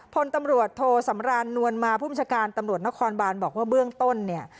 พลตำรวจโทสำรานนวลมาผู้บัญชาการตำรวจนครบานบอกว่าเบื้องต้นเนี่ย